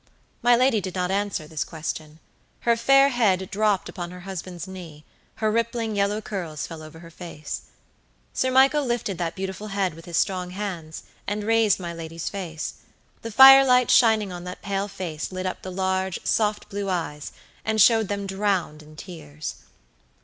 My lady did not answer this question. Her fair head dropped upon her husband's knee, her rippling, yellow curls fell over her face. Sir Michael lifted that beautiful head with his strong hands, and raised my lady's face. The firelight shining on that pale face lit up the large, soft blue eyes and showed them drowned in tears.